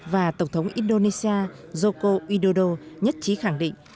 và tổng thống indonesia joko udodo nhất trí khẳng định